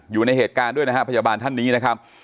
อยู่ในเหตุการณ์ด้วยนะฮะพยาบาลท่านนี้นะครับ